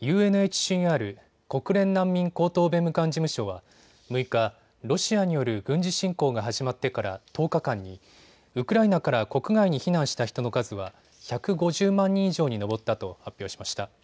ＵＮＨＣＲ・国連難民高等弁務官事務所は６日、ロシアによる軍事侵攻が始まってから１０日間にウクライナから国外に避難した人の数は１５０万人以上に上ったと発表しました。